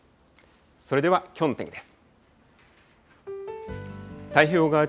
それではきょうの天気です。